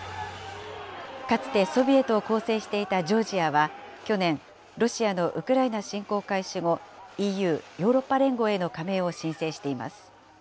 かつてソビエトを構成していたジョージアは、去年、ロシアのウクライナ侵攻開始後、ＥＵ・ヨーロッパ連合への加盟を申請しています。